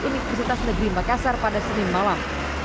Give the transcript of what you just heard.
universitas negeri makassar pada senin malam